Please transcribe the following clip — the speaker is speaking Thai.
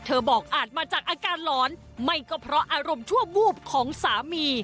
บอกอาจมาจากอาการหลอนไม่ก็เพราะอารมณ์ชั่ววูบของสามี